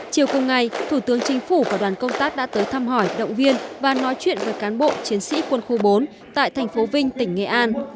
chiều cùng ngày thủ tướng chính phủ và đoàn công tác đã tới thăm hỏi động viên và nói chuyện với cán bộ chiến sĩ quân khu bốn tại thành phố vinh tỉnh nghệ an